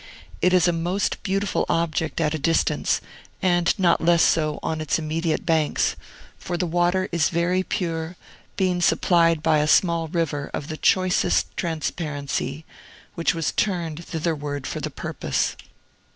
It is a most beautiful object at a distance, and not less so on its immediate banks; for the water is very pure, being supplied by a small river, of the choicest transparency, which was turned thitherward for the purpose.